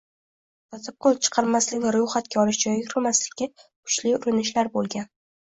Protokol chiqarmaslik va ro'yxatga olish joyiga kirmaslikka kuchli urinishlar bo'lgan